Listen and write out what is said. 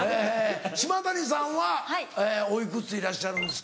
島谷さんはおいくつでいらっしゃるんですか？